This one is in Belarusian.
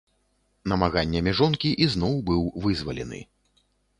Намаганнямі жонкі ізноў быў вызвалены.